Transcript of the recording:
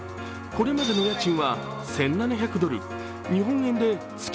これまでの家賃は１７００ドル日本円で月